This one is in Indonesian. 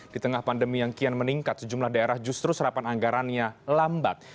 di tengah pandemi yang kian meningkat sejumlah daerah justru serapan anggarannya lambat